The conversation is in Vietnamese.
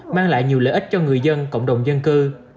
mang lại nhiều lợi ích cho người dân cộng đồng dân cư